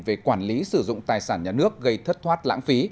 về quản lý sử dụng tài sản nhà nước gây thất thoát lãng phí